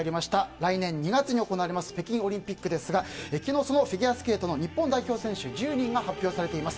来年２月に行われます北京オリンピックですが昨日フィギュアスケートの日本代表選手１０人が選ばれています。